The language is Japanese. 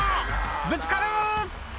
ぶつかる！